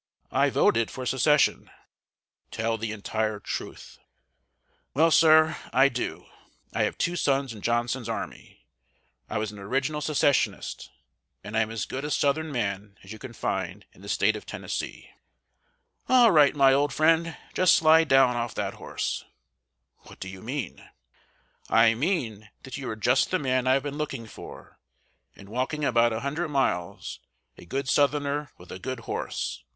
"I voted for Secession." "Tell the entire truth." "Well, sir, I do; I have two sons in Johnson's army. I was an original Secessionist, and I am as good a Southern man as you can find in the State of Tennessee." "All right, my old friend; just slide down off that horse." "What do you mean?" "I mean that you are just the man I have been looking for, in walking about a hundred miles a good Southerner with a good horse!